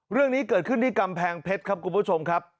เรื่องนี้เกิดขึ้นที่กำแพงเพชรครับคุณผู้ชมครับ